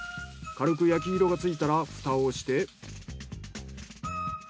軽く焼き色がついたら蓋をして。